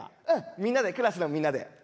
みんなでクラスのみんなで。